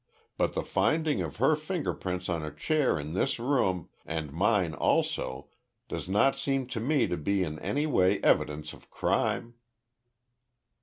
But the finding of her finger prints on a chair in this room, and mine also, does not seem to me to be in any way evidence of crime."